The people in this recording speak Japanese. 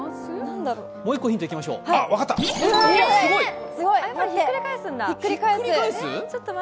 もう１個ヒントいきましょう引っくり返す？